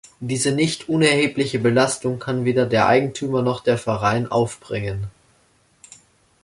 Diese nicht unerhebliche Belastung kann weder der Eigentümer noch der Verein aufbringen.